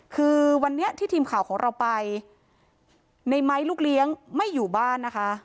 คือวันนี้ที่ทีมข่าวของเราไปในไม้ลูกเลี้ยงไม่อยู่บ้านนะคะ